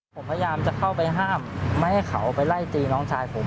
ผมพยายามจะเข้าไปห้ามไม่ให้เขาไปไล่ตีน้องชายผม